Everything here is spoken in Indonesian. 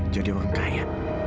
jadi orang kaya